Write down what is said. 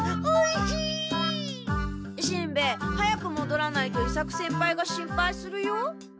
しんべヱ早くもどらないと伊作先輩が心配するよ。